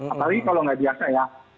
apalagi kalau nggak biasa ya